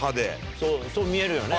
そう見えるよね。